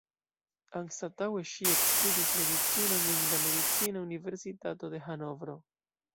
Anstataŭe ŝi ekstudis medicinon en la Medicina Universitato de Hanovro.